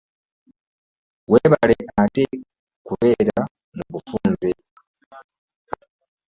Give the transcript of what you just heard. Weebale ate kubeera mu bufunze.